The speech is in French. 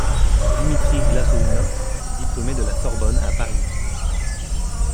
Dimitri Glazounov est diplômé de la Sorbonne à Paris.